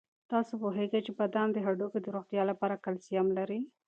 آیا تاسو پوهېږئ چې بادام د هډوکو د روغتیا لپاره کلسیم لري؟